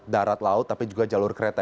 darat laut tapi juga jalur kereta